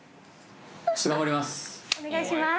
頑張ります。